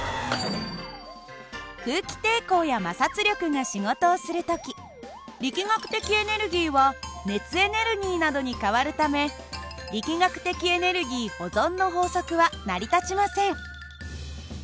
空気抵抗や摩擦力が仕事をする時力学的エネルギーは熱エネルギーなどに変わるため力学的エネルギー保存の法則は成り立ちません。